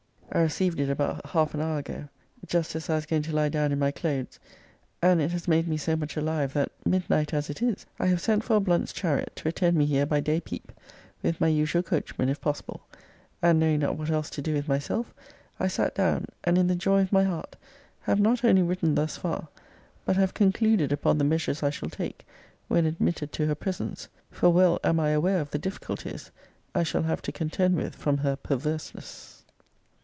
I received it about half an hour ago, just as I was going to lie down in my clothes, and it has made me so much alive, that, midnight as it is, I have sent for a Blunt's chariot, to attend me here by day peep, with my usual coachman, if possible; and knowing not what else to do with myself, I sat down, and, in the joy of my heart, have not only written thus far, but have concluded upon the measures I shall take when admitted to her presence: for well am I aware of the difficulties I shall have to contend with from her perverseness.